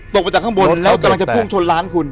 ตกมาจากข้างบนแล้วกำลังจะพุ่งชนร้านคุณ